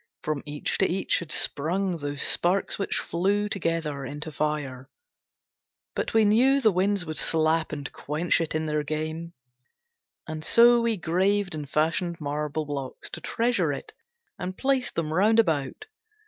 From each to each had sprung those sparks which flew Together into fire. But we knew The winds would slap and quench it in their game. And so we graved and fashioned marble blocks To treasure it, and placed them round about.